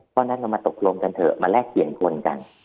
เพราะฉะนั้นเรามาตกลงกันเถอะมาแลกเปลี่ยนคนกัน